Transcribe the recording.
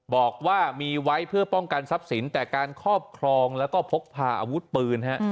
บอกว่ามีไว้เพื่อป้องกันทรัพย์สินแต่การครอบครองแล้วก็พกพาอาวุธปืน